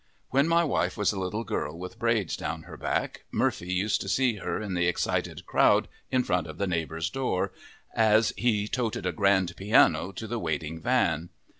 When my wife was a little girl with braids down her back, Murphy used to see her in the excited crowd in front of the neighbor's door, as he toted a grand piano to the waiting van.